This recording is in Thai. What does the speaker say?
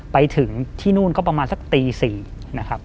ไปถึงที่นู่นก็ประมาณสักตี๔นะครับ